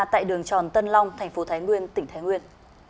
tại đường tròn tân long thành phố thái nguyên tỉnh thái nguyên